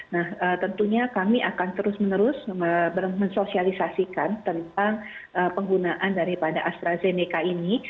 nah tentunya kami akan terus menerus mensosialisasikan tentang penggunaan daripada astrazeneca ini